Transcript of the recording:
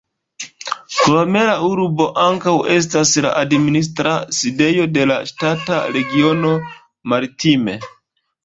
Krome la urbo ankaŭ estas la administra sidejo de la ŝtata regiono "Maritime".